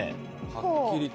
はっきりと。